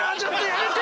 やめて！